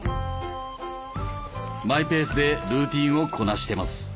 マイペースでルーティンをこなしてます。